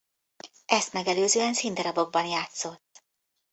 Ezt megelőzően színdarabokban játszott.